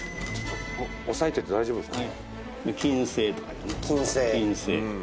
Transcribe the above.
押さえといて大丈夫ですか？